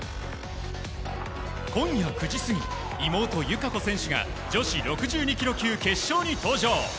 今夜９時過ぎ妹・友香子選手が女子６２ｋｇ級決勝に登場。